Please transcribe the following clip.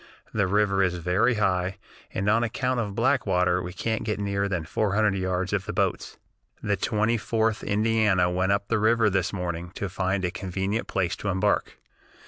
The river is very high, and on account of backwater we can't get nearer than four hundred yards of the boats. "The Twenty fourth Indiana went up the river this morning to find a convenient place to embark.